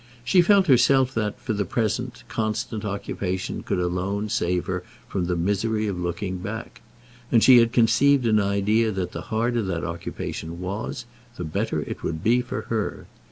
She felt herself that for the present constant occupation could alone save her from the misery of looking back, and she had conceived an idea that the harder that occupation was, the better it would be for her.